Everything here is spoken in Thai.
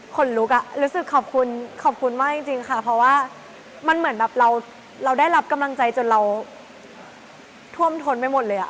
คนลุกอ่ะรู้สึกขอบคุณขอบคุณมากจริงค่ะเพราะว่ามันเหมือนแบบเราได้รับกำลังใจจนเราท่วมทนไปหมดเลย